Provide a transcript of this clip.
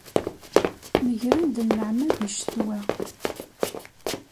Megren-d nneɛma di ccetwa.